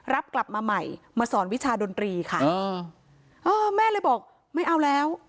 รับกลับมาใหม่มาสอนวิชาดนตรีค่ะอ๋อเออแม่เลยบอกไม่เอาแล้ว